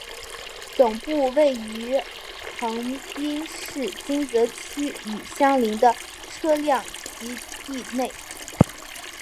总部位于横滨市金泽区与相邻的车辆基地内。